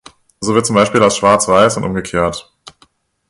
So wird zum Beispiel aus schwarz weiß und umgekehrt.